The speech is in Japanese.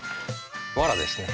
わらですね。